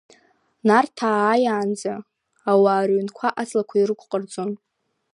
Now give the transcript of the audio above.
Нарҭаа ааиаанӡа ауаа рыҩнқәа аҵлақәа ирықәҟарҵон.